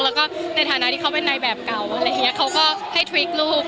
แล้วก็ในฐานะที่เขาเป็นในแบบเก่าอะไรอย่างนี้เขาก็ให้ทริคลูก